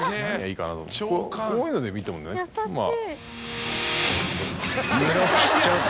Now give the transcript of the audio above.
こういうので見てもねまぁ。